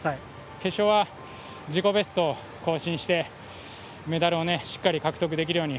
決勝は自己ベストを更新してメダルをしっかり獲得できるように。